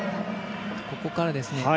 ここからですな。